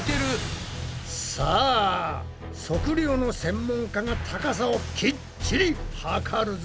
さあ測量の専門家が高さをきっちり測るぞ。